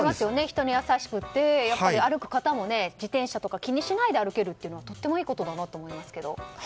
人に優しくて歩く方も自転車とか気にしないで歩けるというのはとてもいいことだなと思いますけど。